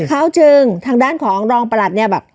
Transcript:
เขาจึงทางด้านของรองประหลัดเนี่ยแบบ